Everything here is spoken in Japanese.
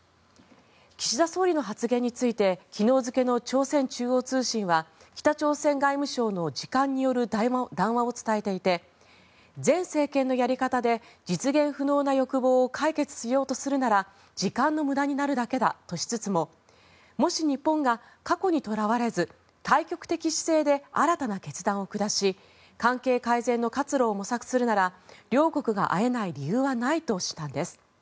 岸田総理の発言について昨日付の朝鮮中央通信は北朝鮮外務省の次官による談話を伝えていて前政権のやり方で実現不能な欲望を解決しようとするなら時間の無駄になるだけだとしつつももし、日本が過去にとらわれず大局的姿勢で新たな決断を下し関係改善の活路を模索するなら両国が会えない理由はないとしたんです。